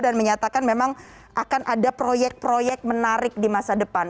dan menyatakan memang akan ada proyek proyek menarik di masa depan